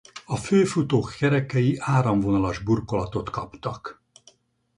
A főfutók kerekei áramvonalas burkolatot kaptak.